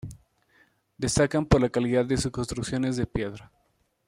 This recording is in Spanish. Destacan por la calidad de sus construcciones de piedra.